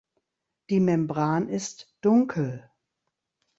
Die Membran ist dunkel.